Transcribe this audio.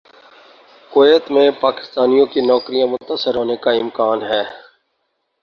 Kuwait میں پاکستانیوں کی نوکریاں متاثر ہونے کا امکان ہے